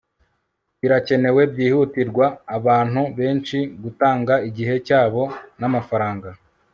birakenewe byihutirwa abantu benshi gutanga igihe cyabo namafaranga